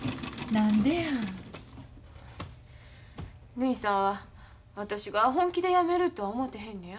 ぬひさんは私が本気でやめるとは思てへんのや。